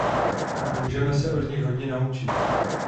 Můžeme se od nich hodně naučit.